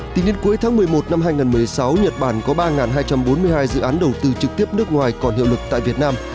tính đến cuối tháng một mươi một năm hai nghìn một mươi sáu nhật bản có ba hai trăm bốn mươi hai dự án đầu tư trực tiếp nước ngoài còn hiệu lực tại việt nam